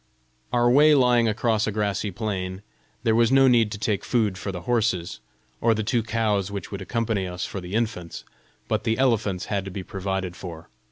Our way lying across a grassy plain, there was no need to take food for the horses, or the two cows which would accompany us for the infants; but the elephants had to be provided for.